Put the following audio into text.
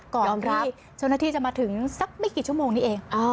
ก่อนที่เจ้าหน้าที่จะมาถึงสักไม่กี่ชั่วโมงนี้เอง